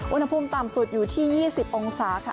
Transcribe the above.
อุณหภูมิต่ำสุดอยู่ที่๒๐องศาค่ะ